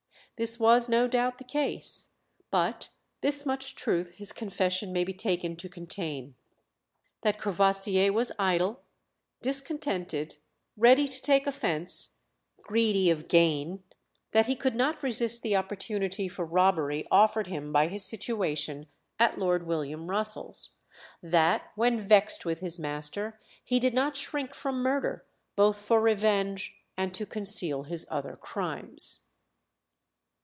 This was no doubt the case, but this much truth his confession may be taken to contain: that Courvoisier was idle, discontented, ready to take offence, greedy of gain; that he could not resist the opportunity for robbery offered him by his situation at Lord William Russell's; that when vexed with his master he did not shrink from murder, both for revenge and to conceal his other crimes.